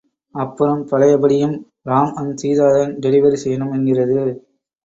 அப்புறம் பழையபடியும் ராம் அண்ட் சீதாதான் டெலிவரி செய்யனும் என்கிறது.